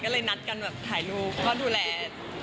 ก็เลยนัดกันแบบถ่ายรูปพ่อดูแล